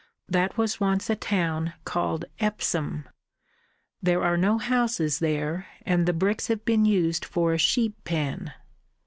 That was once a town called Epsom. There are no houses there, and the bricks have been used for a sheep pen.